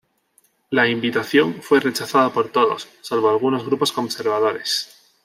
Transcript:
La invitación fue rechazada por todos, salvo algunos grupos conservadores.